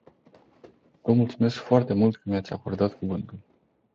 Vă mulțumesc foarte mult că mi-ați acordat cuvântul.